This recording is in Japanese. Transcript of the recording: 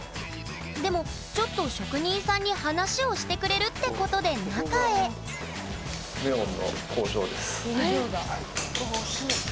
でもちょっと職人さんに話をしてくれるってことで中へ工場だ。